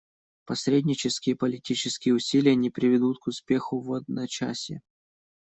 Посреднические политические усилия не приведут к успеху в одночасье.